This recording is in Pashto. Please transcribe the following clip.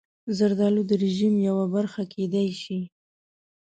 زردالو د رژیم یوه برخه کېدای شي.